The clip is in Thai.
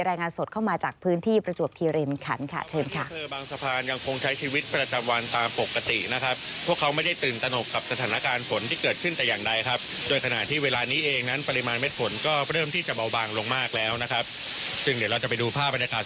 รายงานสดเข้ามาจากพื้นที่ประจวบคิรินขันค่ะเชิญค่ะ